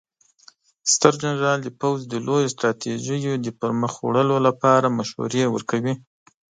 ستر جنرال د پوځ د لویو ستراتیژیو د پرمخ وړلو لپاره مشورې ورکوي.